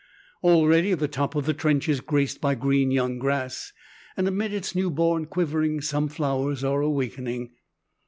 Already the top of the trench is graced by green young grass, and amid its new born quivering some flowers are awakening.